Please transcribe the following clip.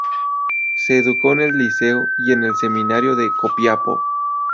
Se educó en el Liceo y en el Seminario de Copiapó.